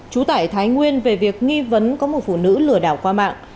chú tải thái nguyên về việc nghi vấn có một phụ nữ lừa đảo qua mạng